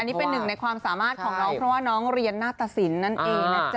นี่เป็นหนึ่งในความสามารถของน้องเพราะว่าน้องเรียนหน้าตสินนั่นเองนะจ๊